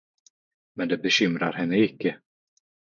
Men det bekymrade henne icke.